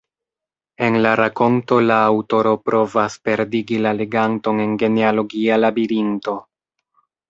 En la rakonto la aŭtoro provas perdigi la leganton en genealogia labirinto.